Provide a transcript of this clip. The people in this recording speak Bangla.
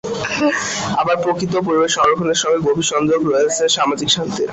আবার প্রকৃতি ও পরিবেশ সংরক্ষণের সঙ্গে গভীর সংযোগ রয়েছে সামাজিক শান্তির।